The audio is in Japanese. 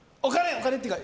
お金っていうか。